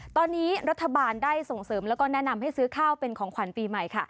ตอนนี้รัฐบาลได้ส่งเสริมแล้วก็แนะนำให้ซื้อข้าวเป็นของขวัญปีใหม่ค่ะ